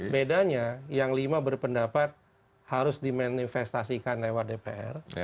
bedanya yang lima berpendapat harus dimanifestasikan lewat dpr